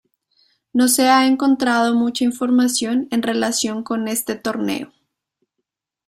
No se ha encontrado mucha información en relación con este torneo.